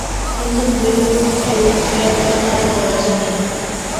কিন্তু বুলেটপ্রুফ টিউবটার তো কোনো দরজা নেই।